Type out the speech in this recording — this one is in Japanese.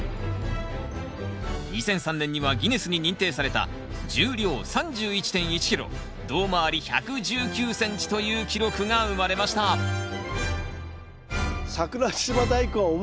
２００３年にはギネスに認定された重量３１．１ｋｇ胴回り１１９ｃｍという記録が生まれました桜島大根は重さ！